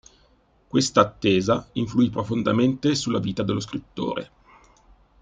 Questa attesa influì profondamente sulla vita dello scrittore.